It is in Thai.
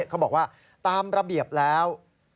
เขาบอกว่าตามระเบียบแล้ว